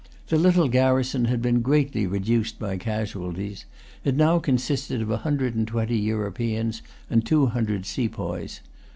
The little garrison had been greatly reduced by casualties. It now consisted of a hundred and twenty Europeans and two hundred sepoys.